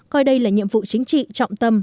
coi đây là nhiệm vụ chính trị trọng tâm